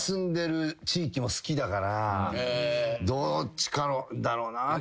どっちかだろうなっていう。